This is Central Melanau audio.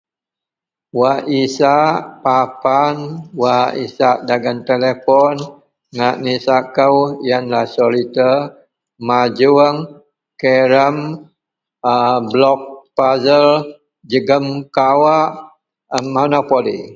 Wak isak papan, wak isak dagen telepon ngak nisak kou yenlah soritor, majuong, karem, a blok pazel jegem kawak a manopoli